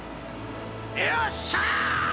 よっしゃー！